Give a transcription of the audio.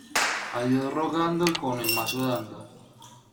A Dios rogando y con el mazo dando.